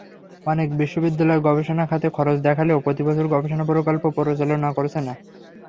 অনেক বিশ্ববিদ্যালয় গবেষণা খাতে খরচ দেখালেও প্রতিবছর গবেষণা প্রকল্প পরিচালনা করছে না।